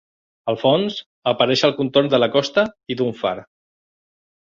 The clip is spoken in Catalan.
Al fons apareix el contorn de la costa i d'un far.